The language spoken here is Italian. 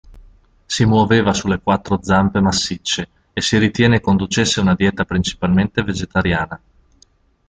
Si muoveva sulle quattro zampe massicce e si ritiene conducesse una dieta principalmente vegetariana.